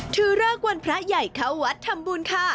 เริกวันพระใหญ่เข้าวัดทำบุญค่ะ